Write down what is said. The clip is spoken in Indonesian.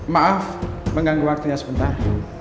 maaf mengganggu waktunya sebentar